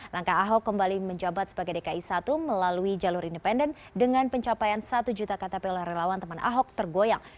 langkah ahok kembali menjabat sebagai dki satu melalui jalur independen dengan pencapaian satu juta ktp oleh relawan teman ahok tergoyang